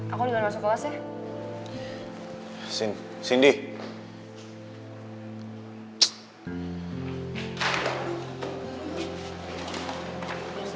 aku udah mau masuk kelas ya